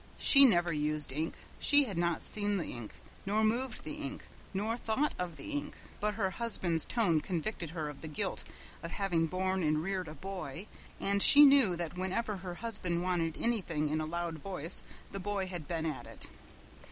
She never used ink. She had not seen the ink, nor moved the ink, nor thought of the ink, but her husband's tone convicted her of the guilt of having borne and reared a boy, and she knew that whenever her husband wanted anything in a loud voice the boy had been at it.